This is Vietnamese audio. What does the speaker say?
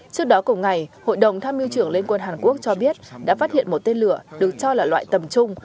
trước đó cùng ngày hội đồng tham mưu trưởng liên quân hàn quốc cho biết đã phát hiện một tên lửa được cho là loại tầm trung